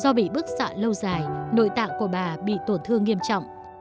do bị bức xạ lâu dài nội tạng của bà bị tổn thương nghiêm trọng